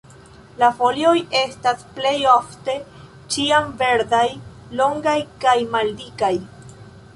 La folioj estas plejofte ĉiamverdaj, longaj kaj maldikaj.